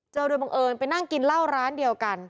โดยบังเอิญไปนั่งกินเหล้าร้านเดียวกัน